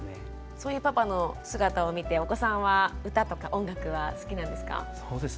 そういうパパの姿を見てお子さんは歌とか音楽は好きなんですか？